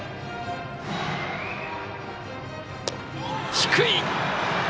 低い！